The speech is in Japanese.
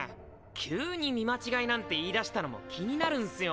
⁉急に見間違いなんて言いだしたのも気になるんスよ。